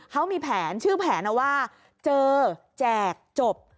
เขามีแผนชื่อแผนนะว่าเจอแจกจบ